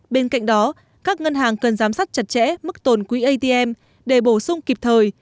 bên cạnh đó các ngân hàng cần giám sát chặt chẽ mức tồn quỹ atm để bổ sung kịp thời